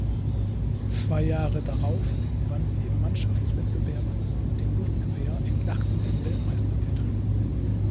Zwei Jahre darauf gewann sie im Mannschaftswettbewerb mit dem Luftgewehr in Lahti den Weltmeistertitel.